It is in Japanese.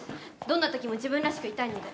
どんなときも自分らしくいたいので。